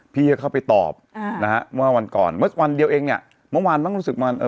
พี่เข้าไปตอบเมื่อวันก่อนเมื่อวันเดียวเองเนี่ยเมื่อวานบ้างรู้สึก